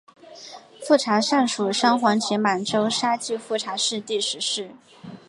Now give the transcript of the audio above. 富察善属镶黄旗满洲沙济富察氏第十世。